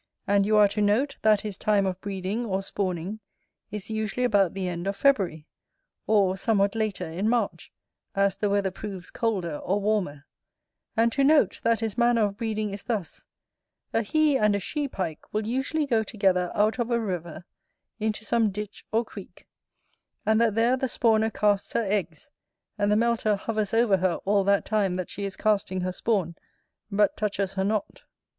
And you are to note, that his time of breeding, or spawning, is usually about the end of February, or, somewhat later, in March, as the weather proves colder or warmer: and to note, that his manner of breeding is thus: a he and a she Pike will usually go together out of a river into some ditch or creek; and that there the spawner casts her eggs, and the melter hovers over her all that time that she is casting her spawn, but touches her not.